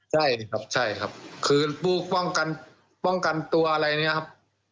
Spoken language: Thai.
ใช่ครับใช่ครับคือปลูกป้องกันตัวอะไรเนี้ยครับ